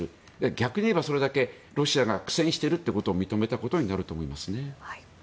逆に言えばそれだけロシアが苦戦していることを認めたことになると思いますね。